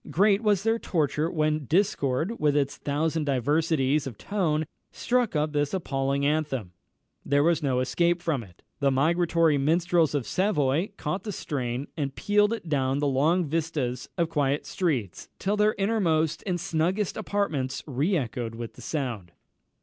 great was their torture when discord, with its thousand diversities of tone, struck up this appalling anthem there was no escape from it. The migratory minstrels of Savoy caught the strain, and pealed it down the long vistas of quiet streets, till their innermost and snuggest apartments re echoed with the sound.